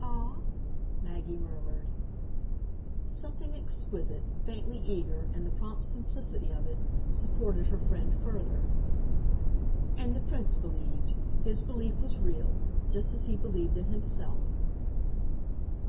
"Ah?" Maggie murmured. Something exquisite, faintly eager, in the prompt simplicity of it, supported her friend further. "And the Prince believed. His belief was real. Just as he believed in himself."